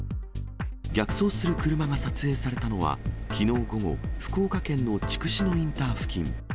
逆走する車が撮影されたのは、きのう午後、福岡県の筑紫野インター付近。